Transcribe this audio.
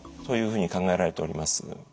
そういうふうに考えられております。